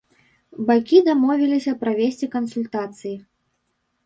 Бакі дамовіліся правесці кансультацыі.